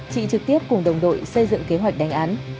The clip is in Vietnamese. chị trực tiếp cùng đồng đội xây dựng kế hoạch đánh án